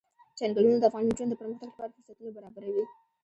چنګلونه د افغان نجونو د پرمختګ لپاره فرصتونه برابروي.